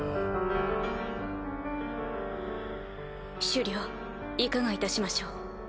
首領いかがいたしましょう。